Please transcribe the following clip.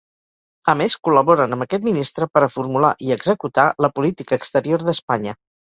A més, col·laboren amb aquest ministre per a formular i executar la política exterior d'Espanya.